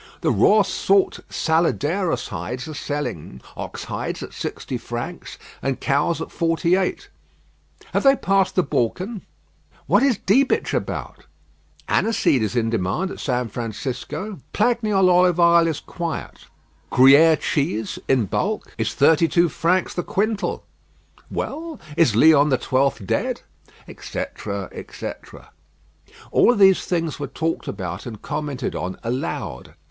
The raw salt Saladeros hides are selling ox hides at sixty francs, and cows' at forty eight. Have they passed the Balkan? What is Diebitsch about? Aniseed is in demand at San Francisco. Plagniol olive oil is quiet. Gruyère cheese, in bulk, is thirty two francs the quintal. Well, is Leon XII. dead?" etc., etc. All these things were talked about and commented on aloud.